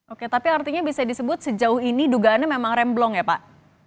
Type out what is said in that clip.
oke tapi artinya bisa disebut sejauh ini dugaannya memang remblong ya pak